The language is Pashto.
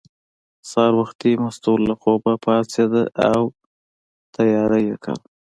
سهار وختي مستو له خوبه پاڅېده او یې تیاری کاوه.